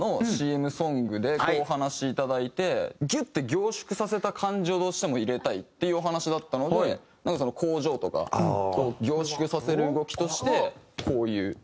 お話いただいてギュッて凝縮させた感じをどうしても入れたいっていうお話だったのでなんか工場とか凝縮させる動きとしてこういう。